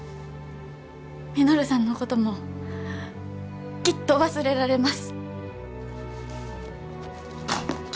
稔さんのこともきっと忘れられます。